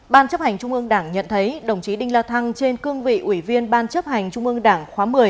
ban chấp hành trung ương đảng nhận thấy đồng chí đinh la thăng trên cương vị ủy viên ban chấp hành trung ương đảng khóa một mươi